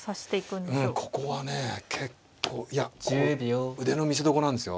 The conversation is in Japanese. うんここはね結構いやここ腕の見せどころなんですよ。